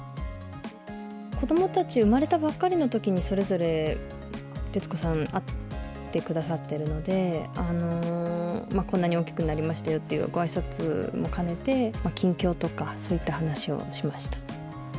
子どもたち、生まれたばっかりのときに、それぞれ徹子さん、会ってくださってるので、こんなに大きくなりましたよっていうごあいさつも兼ねて、近況とか、そういった話をしました。